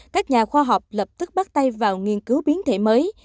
các nhà khoa học lập tức bắt tay vào nghiên cứu biến thể mới